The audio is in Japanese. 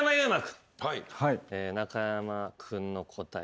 中山君の答え